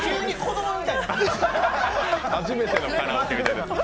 初めてのカラオケみたいになった。